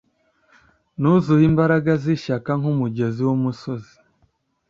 Nuzuye imbaraga zishaka nkumugezi wumusozi